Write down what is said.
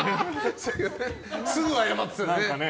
すぐ謝ってたね。